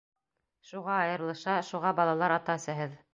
Шуға айырылыша, шуға балалар ата-әсәһеҙ.